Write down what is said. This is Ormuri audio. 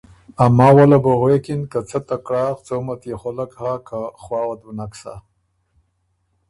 ا ماوه له بو غوېکن که څۀ ته کړاغ څومه تيې خؤلک هۀ که خواؤ ت بُو نک سَۀ